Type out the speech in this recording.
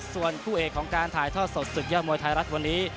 ส่วนคู่เอกของการถ่ายทอดสดศึกยอดมวยไทยรัฐวันนี้